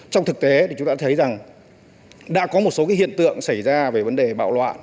trong thực tế thì chúng ta thấy rằng đã có một số hiện tượng xảy ra về vấn đề bạo loạn